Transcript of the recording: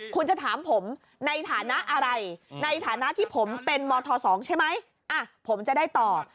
คุณจะถามผมในฐานะอะไรในฐานะที่ผมเป็นมธ๒ใช่ไหมผมจะได้ตอบ